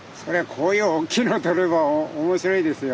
こういうおっきいの取れば面白いですよ。